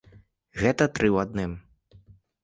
Гэта тры ў адным.